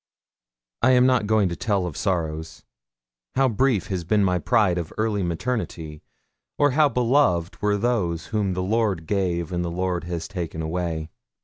I am not going to tell of sorrows how brief has been my pride of early maternity, or how beloved were those whom the Lord gave and the Lord has taken away.